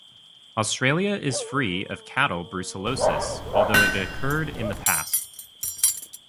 Australia is free of cattle brucellosis, although it occurred in the past.